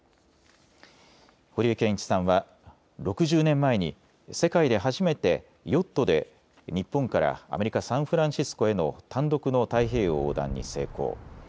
堀江謙一さんは６０年前に世界で初めてヨットで日本からアメリカ・サンフランシスコへの単独の太平洋横断に成功。